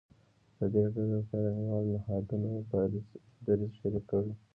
ازادي راډیو د روغتیا د نړیوالو نهادونو دریځ شریک کړی.